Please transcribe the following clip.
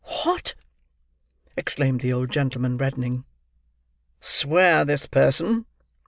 "What!" exclaimed the old gentleman, reddening. "Swear this person!"